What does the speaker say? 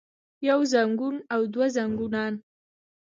يو زنګون او دوه زنګونان